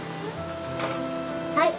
はい。